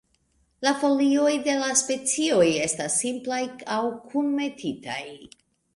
La folioj de la specioj estas simplaj aŭ kunmetitaj.